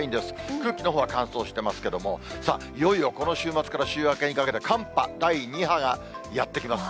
空気のほうは乾燥してますけれども、さあ、いよいよこの週末から週明けにかけて、寒波第２波がやって来ます。